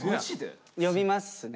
呼びますね。